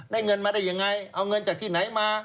เงินมาได้ยังไงเอาเงินจากที่ไหนมา